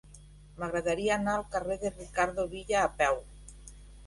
M'agradaria anar al carrer de Ricardo Villa a peu.